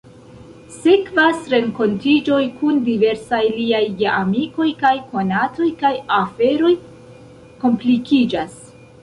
Sekvas renkontiĝoj kun diversaj liaj geamikoj kaj konatoj, kaj aferoj komplikiĝas.